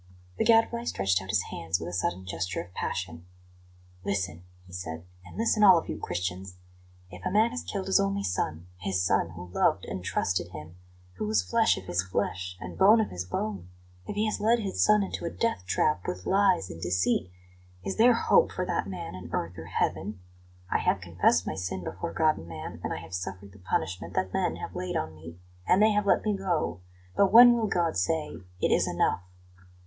The Gadfly stretched out his hands with a sudden gesture of passion. "Listen!" he said; "and listen all of you, Christians! If a man has killed his only son his son who loved and trusted him, who was flesh of his flesh and bone of his bone; if he has led his son into a death trap with lies and deceit is there hope for that man in earth or heaven? I have confessed my sin before God and man, and I have suffered the punishment that men have laid on me, and they have let me go; but when will God say, 'It is enough'?